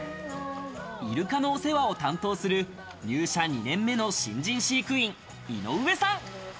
イルカのお世話を担当する入社２年目の新人飼育員・井上さん。